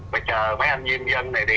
phải chờ mấy anh nhân dân này đi